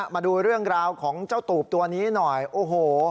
มาดูเรื่องราวของเจ้าตูบตัวนี้หน่อยโอ้โห